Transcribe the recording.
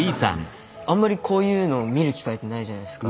あんまりこういうのを見る機会ってないじゃないですか。